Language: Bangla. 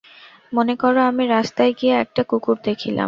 মনে কর, আমি রাস্তায় গিয়া একটা কুকুর দেখিলাম।